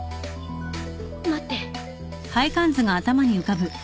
待って。